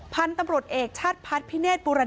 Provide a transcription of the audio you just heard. พันธุ์ตำรวจเอกชาติพัฒน์พิเนธบุรณ